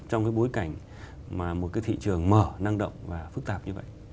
trong cái bối cảnh mà một cái thị trường mở năng động và phức tạp như vậy